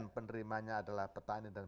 penerimanya adalah petani dan